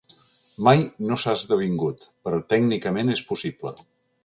Mai no s’ha esdevingut, però tècnicament és possible.